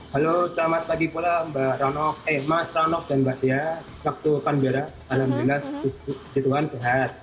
halo selamat pagi pula mas ranok dan mbak tia waktu kanbera alhamdulillah situan sehat